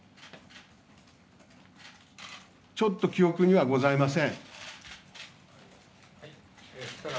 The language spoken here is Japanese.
ちょっと記憶にはございません。